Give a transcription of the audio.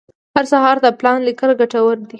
هر سهار د پلان لیکل ګټور کار دی.